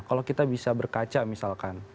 kalau kita bisa berkaca misalkan